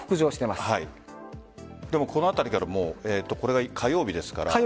この辺りからこれが火曜日ですから。